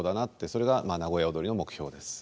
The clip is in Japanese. それが名古屋をどりの目標です。